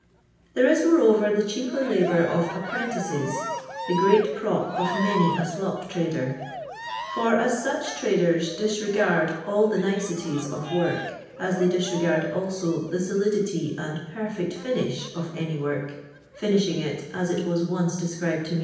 There is, moreover, the cheaper labour of ap }tr€ntices, the great prop of many a slop trader; for as such tniders disregard all the niceties of work, as they disregard also the solidity and per fect finish of any work (finishing it, as it was oneo described to.